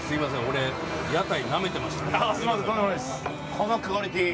このクオリティー。